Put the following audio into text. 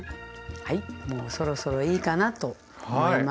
はいもうそろそろいいかなと思います。